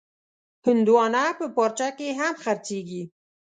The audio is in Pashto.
هندوانه په پارچه کې هم خرڅېږي.